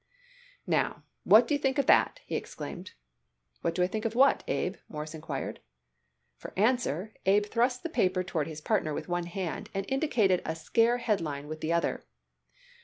"Now, what do you think of that?" he exclaimed. "What do I think of what, Abe?" Morris inquired. For answer Abe thrust the paper toward his partner with one hand, and indicated a scare headline with the other.